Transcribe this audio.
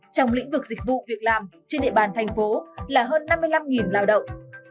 trong lĩnh vực dịch vụ việc làm trên địa bàn thành phố là hơn năm mươi năm lao động